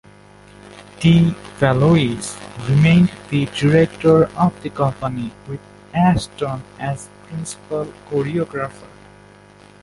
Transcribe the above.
De Valois remained the director of the company, with Ashton as principal choreographer.